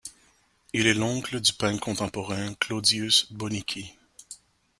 Il est l'oncle du peintre contemporain Claudius Bonichi.